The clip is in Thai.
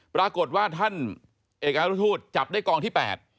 ปรากฏว่าท่านเอกอนุทูตจับได้กองที่๘